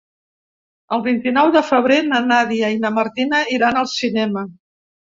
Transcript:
El vint-i-nou de febrer na Nàdia i na Martina iran al cinema.